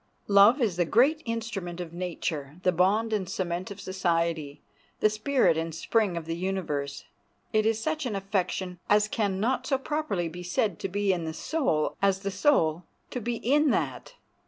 Love is the great instrument of nature, the bond and cement of society, the spirit and spring of the universe. It is such an affection as can not so properly be said to be in the soul as the soul to be in that.